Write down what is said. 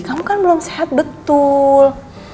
kamu kan belum sehat betul